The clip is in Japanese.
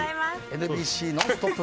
ＮＢＣ・ノンストップ！